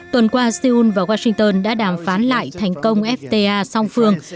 tuần qua seoul và washington đã đàm phán lại thành công fta song phương